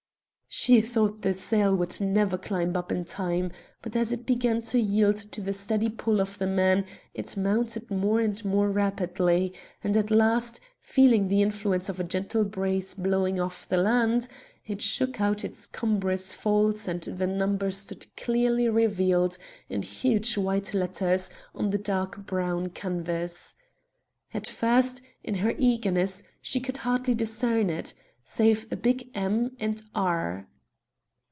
She thought the sail would never climb up in time, but as it began to yield to the steady pull of the men it mounted more and more rapidly, and at last, feeling the influence of a gentle breeze blowing off the land, it shook out its cumbrous folds and the number stood clearly revealed in huge white letters on the dark brown canvas. At first, in her eagerness, she could hardly discern it, save a big "M" and an "R."